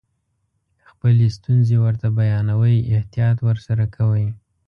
خپلې ستونزې ورته بیانوئ احتیاط ورسره کوئ.